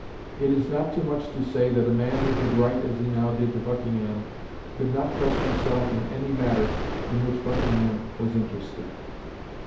It is not too much to say that a man who could write as he now did to Buckingham, could not trust himself in any matter in which Buckingham, was interested.